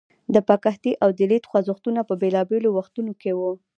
د بکهتي او دلیت خوځښتونه په بیلابیلو وختونو کې وو.